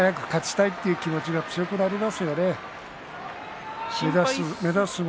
やはり早く勝ちたいという気持ちが強くなりますよね。